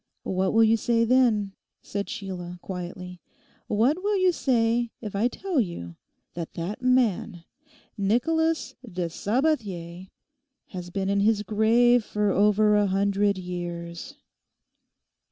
'What will you say, then,' said Sheila, quietly, 'What will you say if I tell you that that man, Nicholas de Sabathier, has been in his grave for over a hundred years?